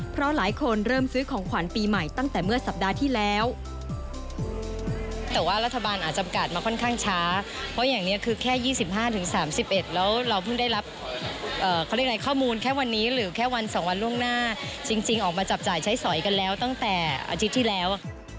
เพราะหลายคนเริ่มซื้อของขวัญปีใหม่ตั้งแต่เมื่อสัปดาห์ที่แล้ว